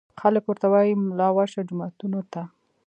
خلک ورته وايي ملا ورشه جوماتونو ته